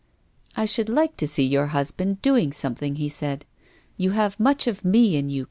" I should like to see your husband doing something," he said. "You have much of me in you.